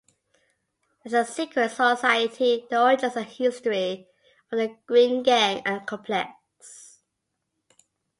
As a secret society, the origins and history of the Green Gang are complex.